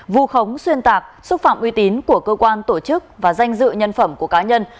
vu khống xuyên tạc xúc phạm uy tín của cơ quan tổ chức và danh dự nhân phẩm của cá nhân